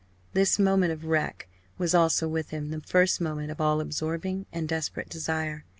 This moment of wreck was also with him the first moment of all absorbing and desperate desire.